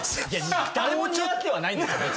誰も似合ってはないんです別に。